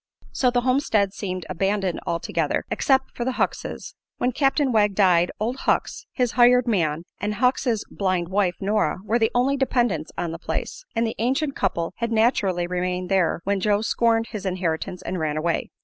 So the homestead seemed abandoned altogether, except for the Huckses. When Captain Wegg died Old Hucks, his hired man, and Hucks' blind wife Nora were the only dependents on the place, and the ancient couple had naturally remained there when Joe scorned his inheritance and ran away.